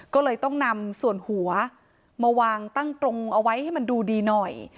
ก็เลยต้องนำส่วนหัวมาวางตั้งตรงเอาไว้ให้มันดูดีหน่อย